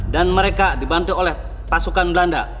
dan mereka dibantu oleh pasukan belanda